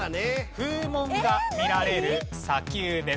風紋が見られる砂丘です。